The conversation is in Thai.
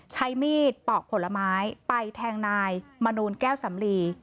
ใช้มีดปอกผลไม้ไปแทงนายมนูลแก้วสำลี